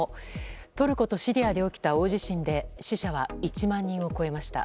トルコとシリアで起きた大地震で死者は１万人を超えました。